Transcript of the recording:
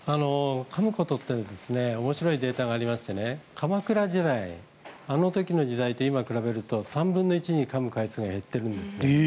かむことって面白いデータがありまして鎌倉時代、あの時の時代と今、比べますと３分の１にかむ回数が減ってるんですね。